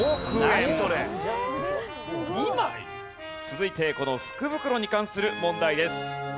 続いてこの福袋に関する問題です。